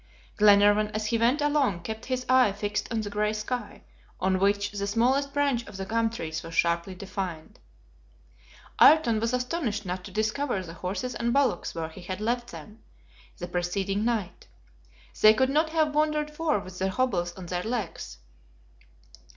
Glenarvan as he went along kept his eye fixed on the gray sky, on which the smallest branch of the gum trees was sharply defined. Ayrton was astonished not to discover the horses and bullocks where he had left them the preceding night. They could not have wandered far with the hobbles on their legs.